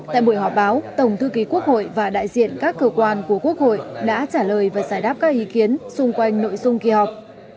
tại buổi họp báo tổng thư ký quốc hội và đại diện các cơ quan của quốc hội đã trả lời và giải đáp các ý kiến xung quanh nội dung kỳ họp